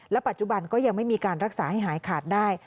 ปัจจุบันก็ยังไม่มีการรักษาให้หายขาดได้